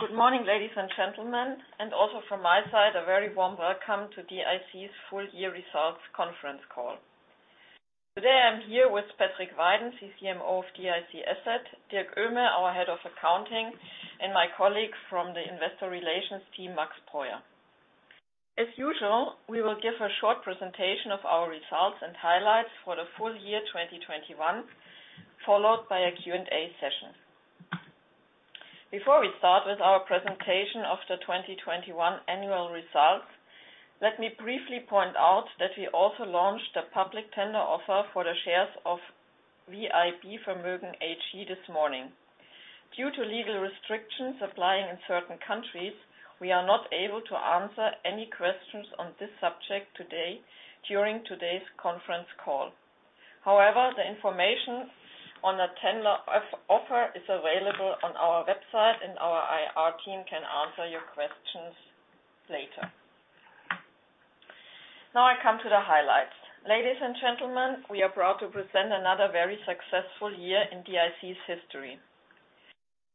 Good morning, ladies and gentlemen, and also from my side, a very warm welcome to DIC's full year results conference call. Today, I'm here with Patrick Weiden, CCMO of DIC Asset, Dirk Oehme, our head of accounting, and my colleague from the investor relations team, Max Breuer. As usual, we will give a short presentation of our results and highlights for the full year 2021, followed by a Q&A session. Before we start with our presentation of the 2021 annual results, let me briefly point out that we also launched a public tender offer for the shares of VIB Vermögen AG this morning. Due to legal restrictions applying in certain countries, we are not able to answer any questions on this subject today during today's conference call. However, the information on the tender offer is available on our website, and our IR team can answer your questions later. Now I come to the highlights. Ladies and gentlemen, we are proud to present another very successful year in DIC's history.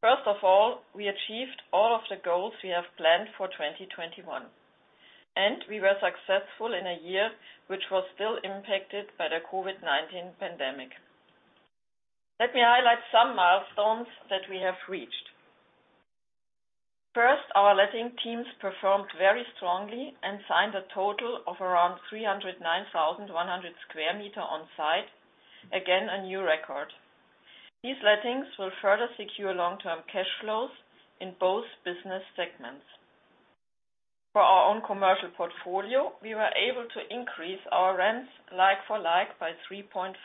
First of all, we achieved all of the goals we have planned for 2021, and we were successful in a year which was still impacted by the COVID-19 pandemic. Let me highlight some milestones that we have reached. First, our letting teams performed very strongly and signed a total of around 309,100 sq m on site. Again, a new record. These lettings will further secure long-term cash flows in both business segments. For our own commercial portfolio, we were able to increase our rents like-for-like by 3.5%.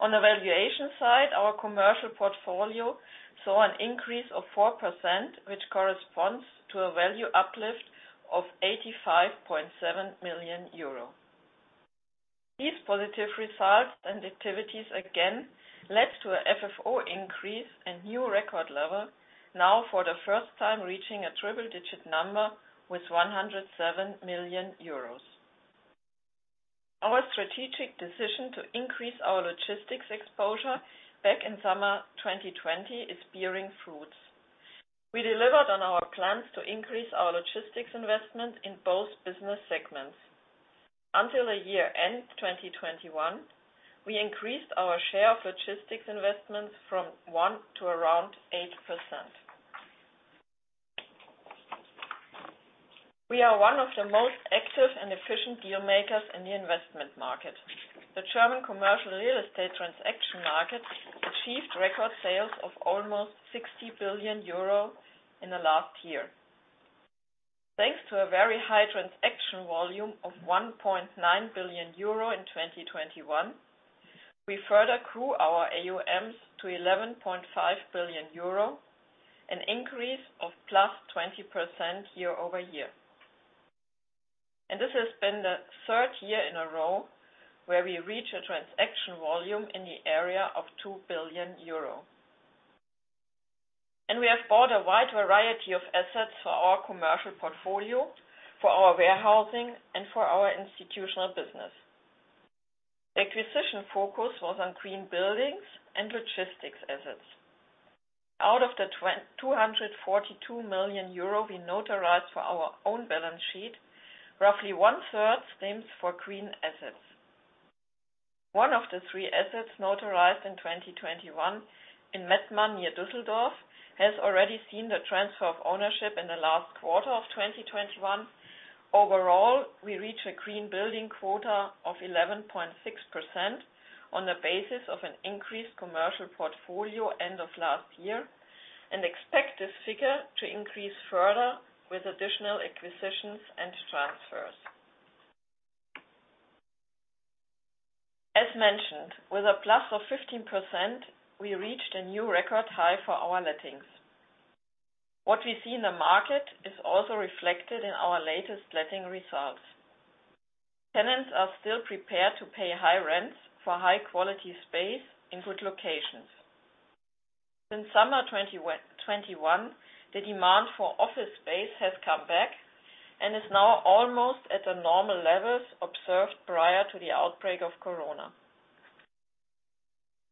On the valuation side, our commercial portfolio saw an increase of 4%, which corresponds to a value uplift of 85.7 million euro. These positive results and activities again led to a FFO increase and new record level now for the first time, reaching a triple-digit number with 107 million euros. Our strategic decision to increase our logistics exposure back in summer 2020 is bearing fruits. We delivered on our plans to increase our logistics investment in both business segments. Until the year-end 2021, we increased our share of logistics investments from 1% to around 8%. We are one of the most active and efficient deal makers in the investment market. The German commercial real estate transaction market achieved record sales of almost 60 billion euro in the last year. Thanks to a very high transaction volume of 1.9 billion euro in 2021, we further grew our AUMs to 11.5 billion euro, an increase of +20% year-over-year. This has been the third year in a row where we reach a transaction volume in the area of 2 billion euro. We have bought a wide variety of assets for our commercial portfolio, for our warehousing, and for our Institutional Business. Acquisition focus was on green buildings and logistics assets. Out of the 242 million euro we notarized for our own balance sheet, roughly one-third stems from green assets. One of the three assets notarized in 2021 in Mettmann near Düsseldorf has already seen the transfer of ownership in the last quarter of 2021. Overall, we reach a green building quota of 11.6% on the basis of an increased commercial portfolio end of last year and expect this figure to increase further with additional acquisitions and transfers. As mentioned, with a plus of 15%, we reached a new record high for our lettings. What we see in the market is also reflected in our latest letting results. Tenants are still prepared to pay high rents for high quality space in good locations. Since summer 2021, the demand for office space has come back and is now almost at the normal levels observed prior to the outbreak of Corona.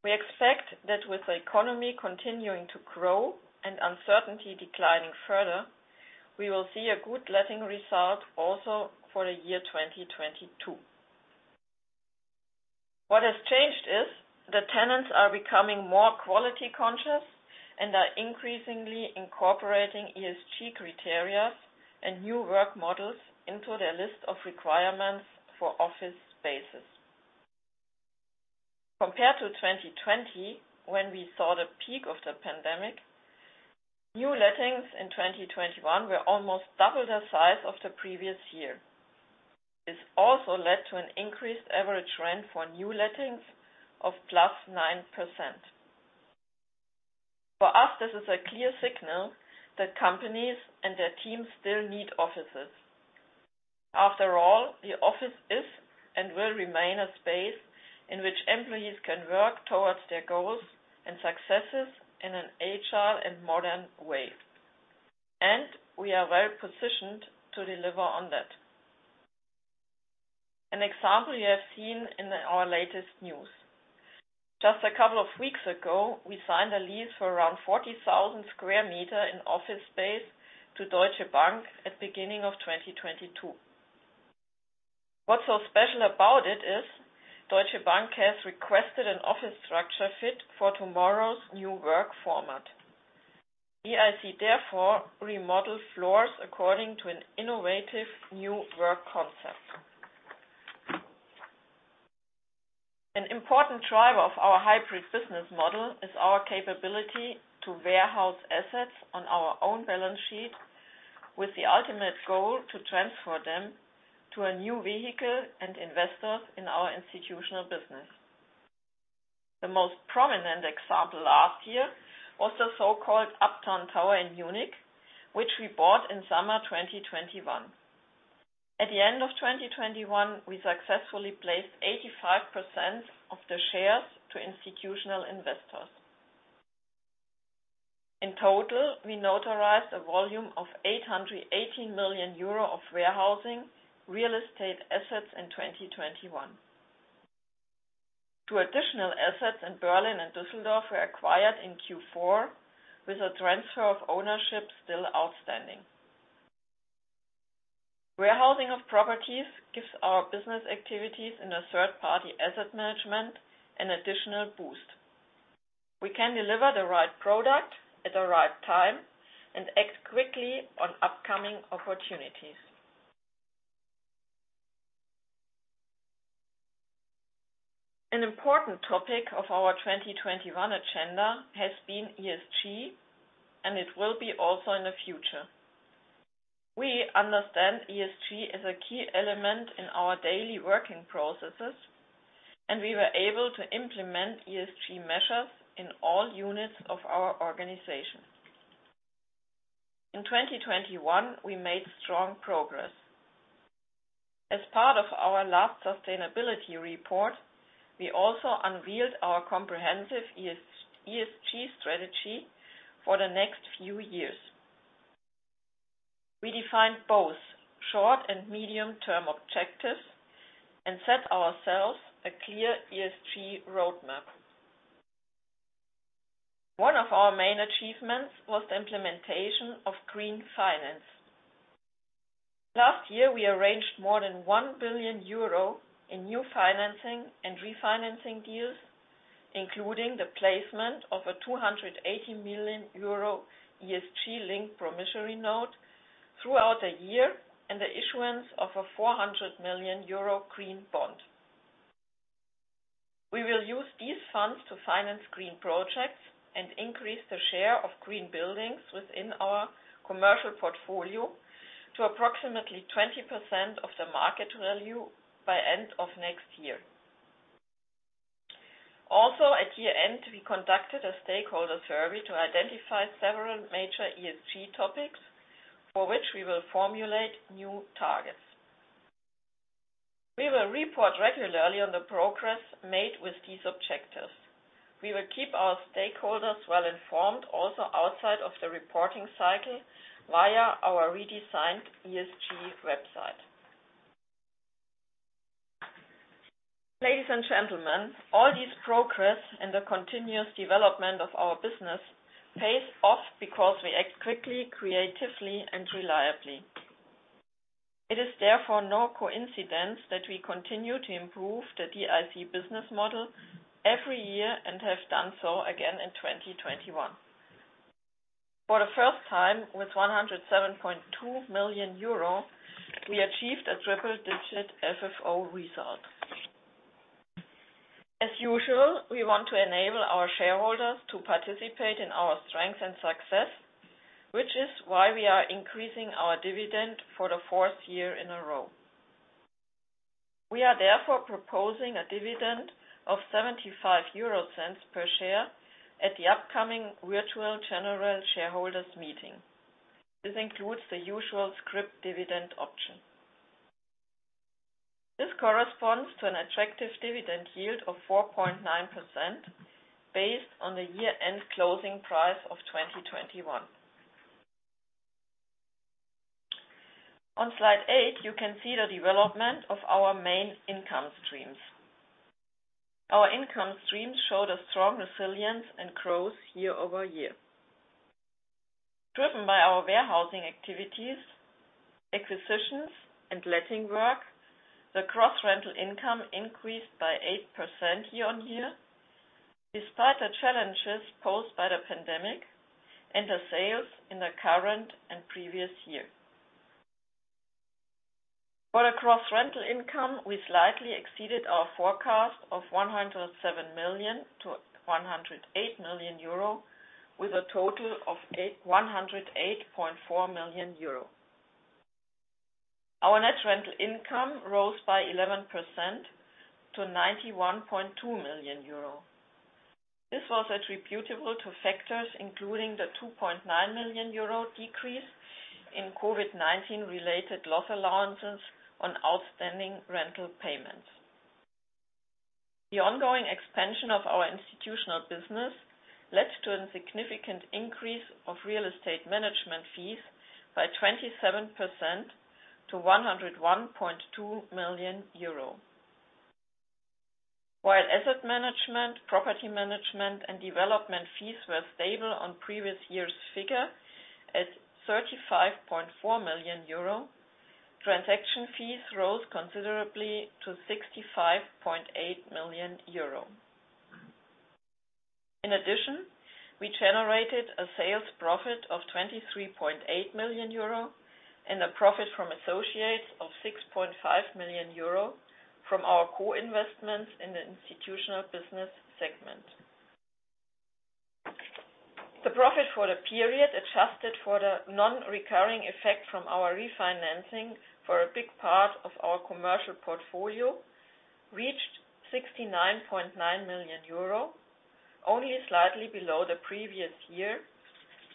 We expect that with the economy continuing to grow and uncertainty declining further, we will see a good letting result also for the year 2022. What has changed is the tenants are becoming more quality conscious and are increasingly incorporating ESG criteria and new work models into their list of requirements for office spaces. Compared to 2020, when we saw the peak of the pandemic, new lettings in 2021 were almost double the size of the previous year. This also led to an increased average rent for new lettings of +9%. For us, this is a clear signal that companies and their teams still need offices. After all, the office is and will remain a space in which employees can work towards their goals and successes in an agile and modern way. We are well positioned to deliver on that. An example you have seen in our latest news. Just a couple of weeks ago, we signed a lease for around 40,000 sq m in office space to Deutsche Bank at beginning of 2022. What's so special about it is Deutsche Bank has requested an office structure fit for tomorrow's new work format. DIC therefore remodeled floors according to an innovative new work concept. An important driver of our hybrid business model is our capability to warehouse assets on our own balance sheet with the ultimate goal to transfer them to a new vehicle and investors in our Institutional Business. The most prominent example last year was the so-called Uptown Tower in Munich, which we bought in summer 2021. At the end of 2021, we successfully placed 85% of the shares to institutional investors. In total, we notarized a volume of 880 million euro of warehousing real estate assets in 2021. Two additional assets in Berlin and Düsseldorf were acquired in Q4, with a transfer of ownership still outstanding. Warehousing of properties gives our business activities in a third-party asset management an additional boost. We can deliver the right product at the right time and act quickly on upcoming opportunities. An important topic of our 2021 agenda has been ESG, and it will be also in the future. We understand ESG as a key element in our daily working processes, and we were able to implement ESG measures in all units of our organization. In 2021, we made strong progress. As part of our last sustainability report, we also unveiled our comprehensive ESG strategy for the next few years. We defined both short and medium term objectives and set ourselves a clear ESG roadmap. One of our main achievements was the implementation of green finance. Last year, we arranged more than 1 billion euro in new financing and refinancing deals, including the placement of a 280 million euro ESG-linked promissory note throughout the year and the issuance of a 400 million euro green bond. We will use these funds to finance green projects and increase the share of green buildings within our commercial portfolio to approximately 20% of the market value by end of next year. Also, at year-end, we conducted a stakeholder survey to identify several major ESG topics for which we will formulate new targets. We will report regularly on the progress made with these objectives. We will keep our stakeholders well informed also outside of the reporting cycle via our redesigned ESG website. Ladies and gentlemen, all this progress and the continuous development of our business pays off because we act quickly, creatively, and reliably. It is therefore no coincidence that we continue to improve the DIC business model every year and have done so again in 2021. For the first time, with 107.2 million euro, we achieved a triple digit FFO result. As usual, we want to enable our shareholders to participate in our strength and success, which is why we are increasing our dividend for the fourth year in a row. We are therefore proposing a dividend of 0.75 per share at the upcoming virtual general shareholders meeting. This includes the usual scrip dividend option. This corresponds to an attractive dividend yield of 4.9% based on the year-end closing price of 2021. On slide eight, you can see the development of our main income streams. Our income streams showed a strong resilience and growth year-over-year. Driven by our warehousing activities, acquisitions, and letting work, the gross rental income increased by 8% year-on-year, despite the challenges posed by the pandemic and the sales in the current and previous year. For our gross rental income, we slightly exceeded our forecast of 107 million-108 million euro with a total of 108.4 million euro. Our net rental income rose by 11%-EUR 91.2 million. This was attributable to factors including the 2.9 million euro decrease in COVID-19 related loss allowances on outstanding rental payments. The ongoing expansion of our Institutional Business led to a significant increase of real estate management fees by 27% to EUR 101.2 million. While asset management, property management, and development fees were stable on previous year's figure at 35.4 million euro, transaction fees rose considerably to 65.8 million euro. In addition, we generated a sales profit of 23.8 million euro and a profit from associates of 6.5 million euro from our co-investments in the Institutional Business segment. The profit for the period, adjusted for the non-recurring effect from our refinancing for a big part of our commercial portfolio, reached 69.9 million euro, only slightly below the previous year,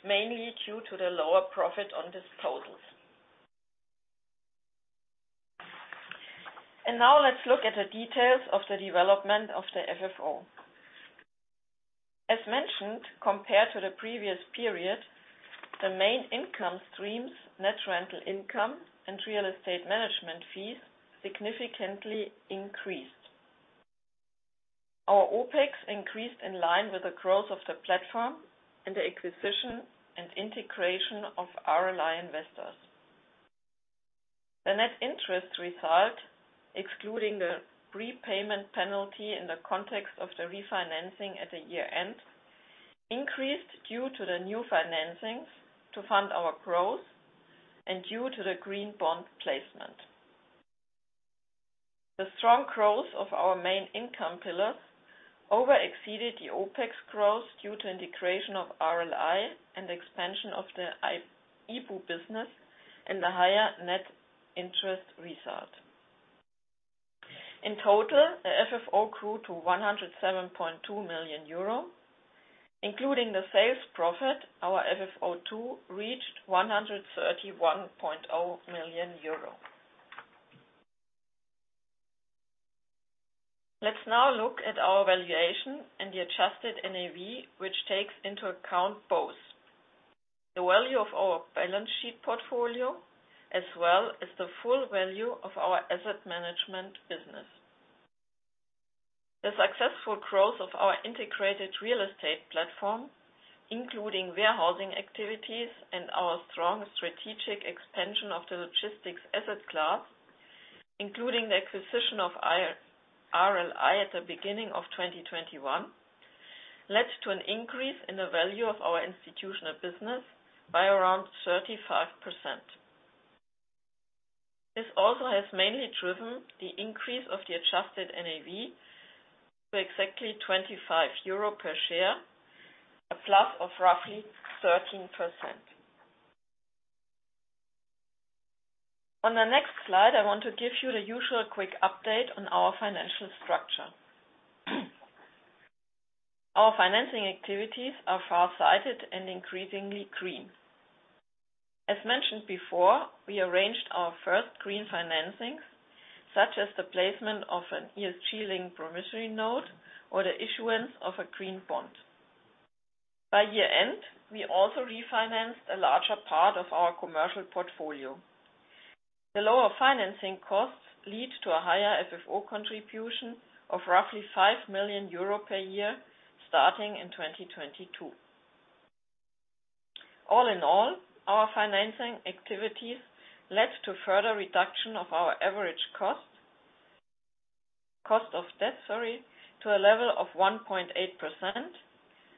mainly due to the lower profit on disposals. Now let's look at the details of the development of the FFO. As mentioned, compared to the previous period, the main income streams, net rental income and real estate management fees, significantly increased. Our OpEx increased in line with the growth of the platform and the acquisition and integration of RLI Investors. The net interest result, excluding the prepayment penalty in the context of the refinancing at the year-end, increased due to the new financings to fund our growth and due to the green bond placement. The strong growth of our main income pillars over-exceeded the OpEx growth due to integration of RLI and expansion of the IB business and the higher net interest result. In total, the FFO grew to 107.2 million euro. Including the sales profit, our FFO, too, reached 131.0 million euro. Let's now look at our valuation and the adjusted NAV, which takes into account both the value of our balance sheet portfolio, as well as the full value of our asset management business. The successful growth of our integrated real estate platform, including warehousing activities and our strong strategic expansion of the logistics asset class, including the acquisition of RLI Investors at the beginning of 2021, led to an increase in the value of our institutional business by around 35%. This also has mainly driven the increase of the adjusted NAV to exactly 25 euro per share, a plus of roughly 13%. On the next slide, I want to give you the usual quick update on our financial structure. Our financing activities are far-sighted and increasingly green. As mentioned before, we arranged our first green financings, such as the placement of an ESG-linked promissory note or the issuance of a green bond. By year-end, we also refinanced a larger part of our commercial portfolio. The lower financing costs lead to a higher FFO contribution of roughly 5 million euro per year, starting in 2022. All in all, our financing activities led to further reduction of our average cost of debt to a level of 1.8%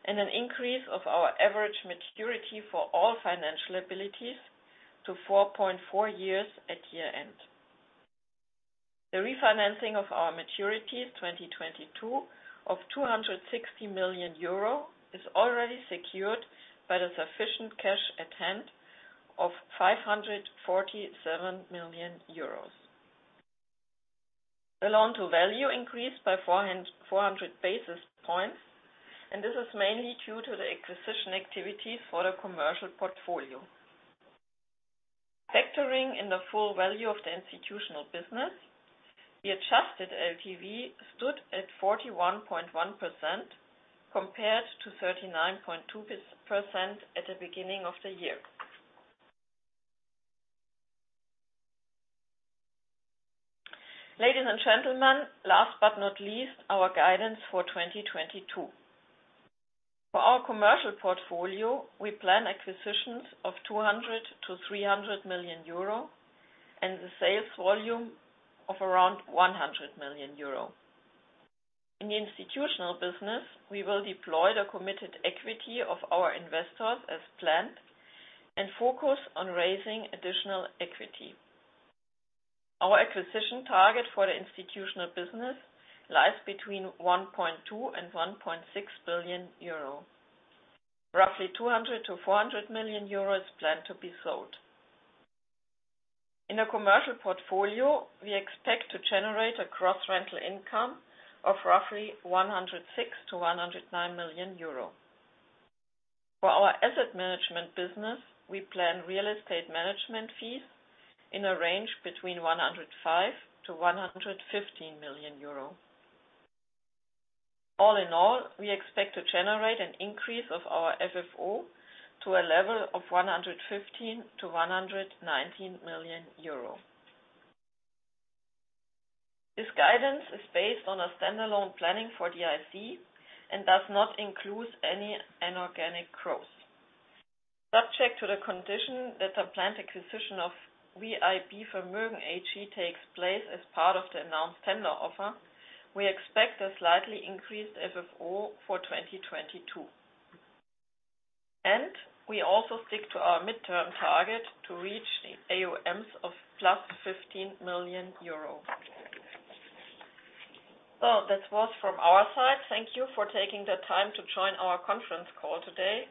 and an increase of our average maturity for all financial liabilities to 4.4 years at year-end. The refinancing of our maturities 2022 of 260 million euro is already secured by the sufficient cash at hand of 547 million euros. The loan-to-value increased by 400 basis points, and this is mainly due to the acquisition activities for the commercial portfolio. Factoring in the full value of the Institutional Business, the adjusted LTV stood at 41.1% compared to 39.2% at the beginning of the year. Ladies and gentlemen, last but not least, our guidance for 2022. For our commercial portfolio, we plan acquisitions of 200 million-300 million euro and the sales volume of around 100 million euro. In the Institutional Business, we will deploy the committed equity of our investors as planned and focus on raising additional equity. Our acquisition target for the Institutional Business lies between 1.2 billion and 1.6 billion euro. Roughly 200 million-400 million euro planned to be sold. In the commercial portfolio, we expect to generate a gross rental income of roughly 106 million-109 million euro. For our asset management business, we plan real estate management fees in a range between 105 million-115 million euro. All in all, we expect to generate an increase of our FFO to a level of 115 million-119 million euro. This guidance is based on a standalone planning for DIC and does not include any inorganic growth. Subject to the condition that the planned acquisition of VIB Vermögen AG takes place as part of the announced tender offer, we expect a slightly increased FFO for 2022. We also stick to our midterm target to reach the AUMs of 15 million euro. Well, that was from our side. Thank you for taking the time to join our conference call today.